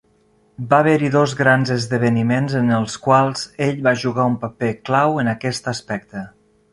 Va haver-hi dos grans esdeveniments en els quals ell va jugar un paper clau en aquest aspecte.